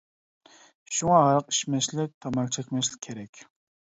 شۇڭا ھاراق ئىچمەسلىك تاماكا چەكمەسلىك كېرەك.